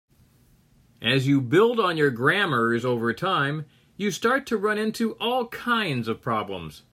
As you build on your grammars over time, you start to run into all kinds of problems.